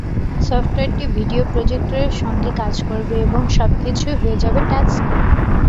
সফটওয়্যারটি ভিডিও প্রজেক্টরের সঙ্গে কাজ করবে এবং সবকিছুই হয়ে যাবে টাচস্ক্রিন।